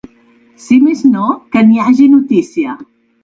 Si més no, que n’hi hagi notícia.